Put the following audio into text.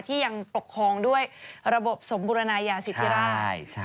ที่ยังปกครองด้วยระบบสมบูรณายาสิทธิราช